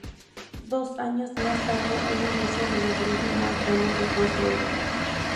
Dos años más tarde una iglesia de ladrillo más grande fue construida.